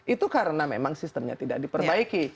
itu karena memang sistemnya tidak diperbaiki